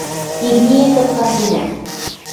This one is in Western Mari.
Имниэтӹм канденӓм...